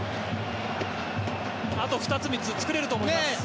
あと２つ、３つ作れると思います。